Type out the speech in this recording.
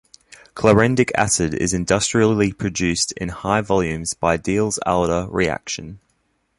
Chlorendic acid is industrially produced in high volumes by Diels-Alder reaction.